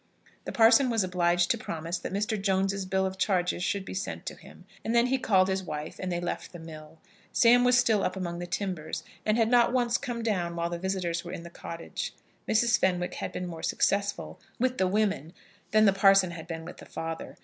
The parson was obliged to promise that Mr. Jones's bill of charges should be sent to him, and then he called his wife, and they left the mill. Sam was still up among the timbers, and had not once come down while the visitors were in the cottage. Mrs. Fenwick had been more successful with the women than the parson had been with the father.